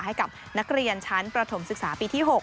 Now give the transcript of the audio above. ให้กับนักเรียนชั้นประถมศึกษาปีที่๖